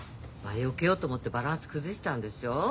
よけようと思ってバランス崩したんでしょう。